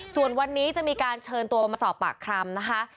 ส่วนวันนี้จะมีการเชิญตัวมาสอบปากคำนะคะ